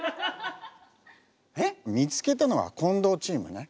見つけたのは近藤チームね。